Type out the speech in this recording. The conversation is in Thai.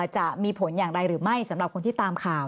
จะมีผลอย่างไรหรือไม่สำหรับคนที่ตามข่าว